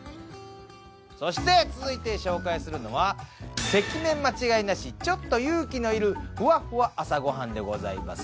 そして続いて紹介するのは赤面間違いなしちょっと勇気のいるふわふわ朝ごはんでございます